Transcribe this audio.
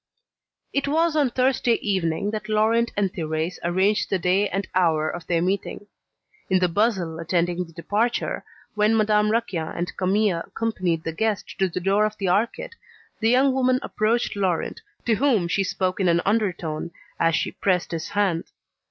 It was on Thursday evening that Laurent and Thérèse arranged the day and hour of their meeting. In the bustle attending the departure, when Madame Raquin and Camille accompanied the guest to the door of the arcade, the young woman approached Laurent, to whom she spoke in an undertone, as she pressed his hand.